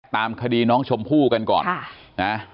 ตามคดีน้องชมพู่กันก่อนนะ